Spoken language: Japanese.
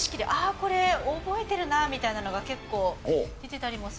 これ覚えてるなみたいなのが結構出てたりもするんで。